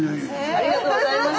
ありがとうございます。